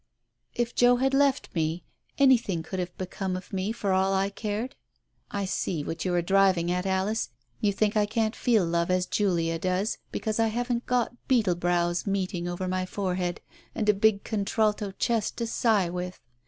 "If Joe had left me, anything could have become of me for all I cared !... I see what you are driving at, Alice, you think I can't feel love as Julia does, because I haven't got beetle brows meeting over my forehead and a big contralto chest to sigh with.